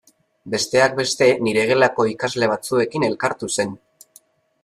Besteak beste nire gelako ikasle batzuekin elkartu zen.